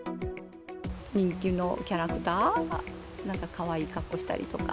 人気のキャラクター、なんかかわいいかっこしたりとか。